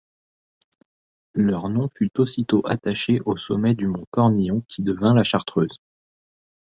Leur nom fut aussitôt attaché au sommet du Mont Cornillon qui devint la Chartreuse.